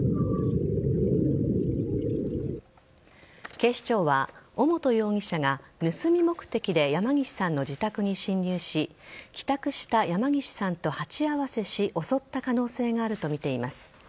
警視庁は尾本容疑者が盗み目的で山岸さんの自宅に侵入し帰宅した山岸さんと鉢合わせし襲った可能性があるとみています。